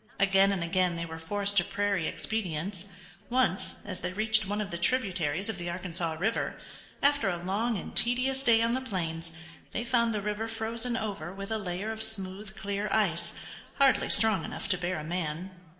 Again and again they were forced to prairie expedients. Once, as they reached one of the tributaries of the Arkansas River, after a long and tedious day on the plains, they found the river frozen over with a layer of smooth, clear ice, hardly strong enough to bear a man.